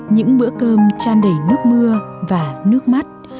những bữa cơm tràn đầy nước mưa và nước mắt